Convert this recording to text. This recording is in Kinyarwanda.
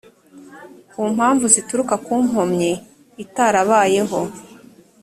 ku mpamvu zituruka ku nkomyi itarabayeho